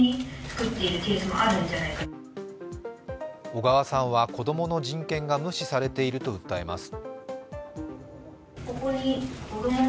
小川さんは子供の人権が無視されていると訴えます。